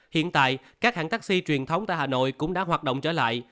hiện tại các hãng taxi truyền thống tại hà nội cũng đã hoạt động trở lại